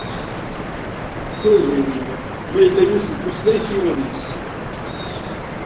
Turdiwin: Ma yella yiwet n tutlayt iman-is!